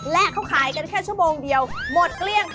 และเขาขายกันแค่ชั่วโมงเดียวหมดเกลี้ยง